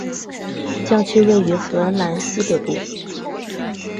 教区位于荷兰西北部。